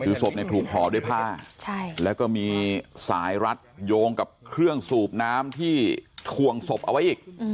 คือศพถูกห่อด้วยผ้าแล้วก็มีสายรัดโยงกับเครื่องสูบน้ำที่ถวงศพเอาไว้อีก